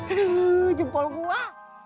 aduh jempol gua